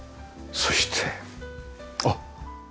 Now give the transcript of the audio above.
そしてあっ！